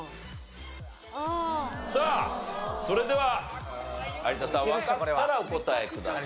さあそれでは有田さんわかったらお答えください。